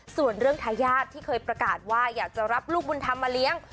ส่วนเรื่องทายาทที่เคยประกาศว่าอยากจะรับลูกบุญธรรมมาเลี้ยง